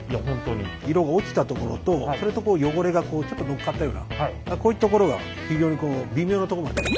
色が落ちたところと汚れがちょっと乗っかったようなこういうところが非常に微妙なところまで。